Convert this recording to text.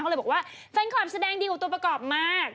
ก็เลยบอกว่าแฟนคลับแสดงดีกว่าตัวประกอบมาก